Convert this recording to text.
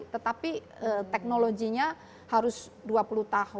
tetapi teknologinya harus dua puluh tahun